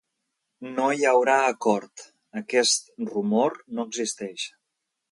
No hi haurà acord, aquest rumor no existeix.